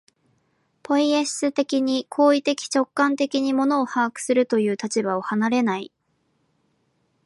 ポイエシス的に、行為的直観的に物を把握するという立場を離れない。